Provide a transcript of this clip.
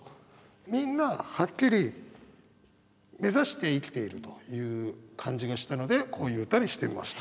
みんなはっきり目指して生きているという感じがしたのでこういう歌にしてみました。